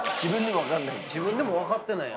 自分でも分かんない。